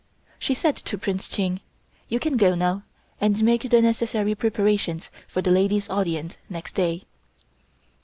She said to Prince Ching: "You can go now, and make the necessary preparations for the ladies' audience next day."